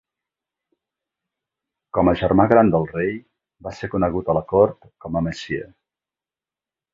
Com a germà gran del rei, va ser conegut a la cort com a "Monsieur".